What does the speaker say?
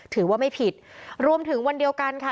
ถือว่าไม่ผิดรวมถึงวันเดียวกันค่ะ